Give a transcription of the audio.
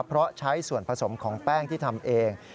เพราะใช้ส่วนผสมของแป้งที่ทำเอง